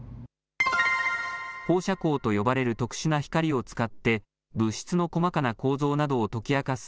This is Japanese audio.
放射光と呼ばれる特殊な光を使って物質の細かな構造などを解き明かす